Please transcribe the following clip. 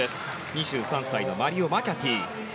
２３歳のマリオ・マキャティ。